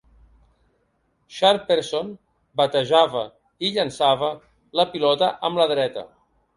Sharperson batejava i llançava la pilota amb la dreta.